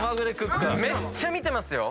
めっちゃ見てますよ。